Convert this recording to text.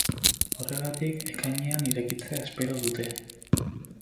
Horregatik, ekainean irekitzea espero dute.